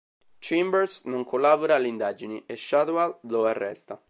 Chambers non collabora alle indagini e Shadwell lo arresta.